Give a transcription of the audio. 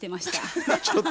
ちょっと！